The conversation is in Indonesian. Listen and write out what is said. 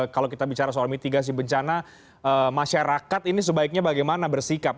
kalau kita bicara soal mitigasi bencana masyarakat ini sebaiknya bagaimana bersikap